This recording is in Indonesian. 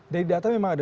dari data memang ada